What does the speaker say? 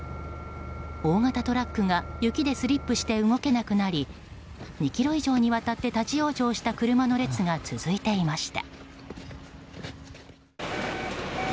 大型トラックが雪でスリップして動けなくなり２ｋｍ以上にわたって立ち往生した車の列が続いていました。